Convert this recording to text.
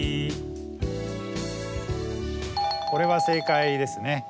これは正解ですね。